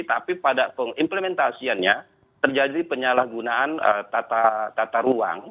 tapi pada pengimplementasiannya terjadi penyalahgunaan tata ruang